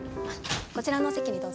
こちらのお席にどうぞ。